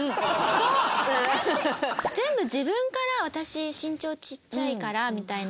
全部自分から私身長ちっちゃいからみたいな。